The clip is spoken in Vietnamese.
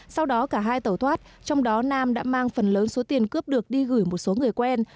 sau đó cả hai tẩu thoát trong đó nam đã mang phần lớn số tiền cướp được đi gửi một số người quen